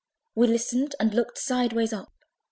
We listened and looked sideways up!